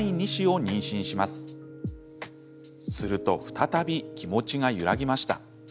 すると再び気持ちが揺らぎました。